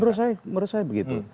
menurut saya menurut saya begitu